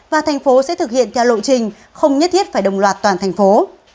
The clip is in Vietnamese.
và thành phố sẽ thực hiện theo lộ trình không nhất thiết phải đồng loạt toàn thành phố